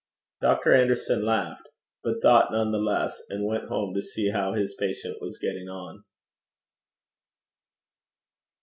Dr. Anderson laughed, but thought none the less, and went home to see how his patient was getting on.